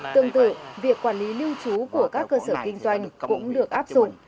tương tự việc quản lý lưu trú của các cơ sở kinh doanh cũng được áp dụng